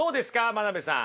真鍋さん。